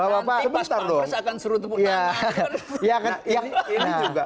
nanti pas pampers akan suruh temukan